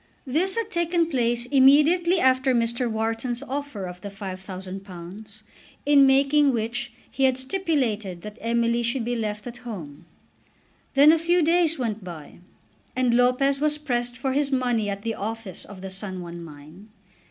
This had taken place immediately after Mr. Wharton's offer of the £5000, in making which he had stipulated that Emily should be left at home. Then a few days went by, and Lopez was pressed for his money at the office of the San Juan mine.